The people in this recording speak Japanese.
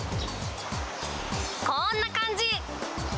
こんな感じ。